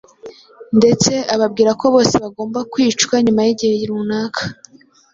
ndetse ababwira ko bose bagomba kwicwa nyuma y’igihe runaka,